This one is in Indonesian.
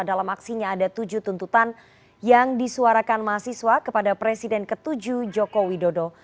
dalam aksinya ada tujuh tuntutan yang disuarakan mahasiswa kepada presiden ke tujuh joko widodo